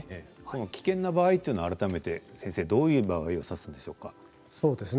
危険な場合というのは改めて先生どういう場合を指すんでしょうか？